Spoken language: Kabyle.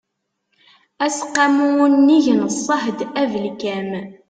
aseqqamu unnig n ṣṣehd abelkam